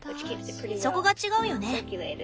そこが違うよね。